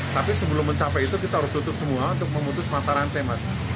tapi sebelum mencapai itu kita harus tutup semua untuk memutus mata rantai mas